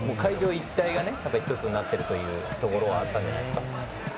一帯が１つになっているというところはあったんじゃないですか。